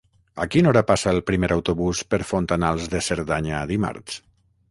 A quina hora passa el primer autobús per Fontanals de Cerdanya dimarts?